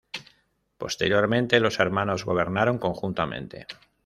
Posteriormente, los hermanos gobernaron conjuntamente.